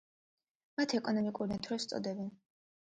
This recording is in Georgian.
მათ ეკონომიკურ ნათურებს უწოდებენ.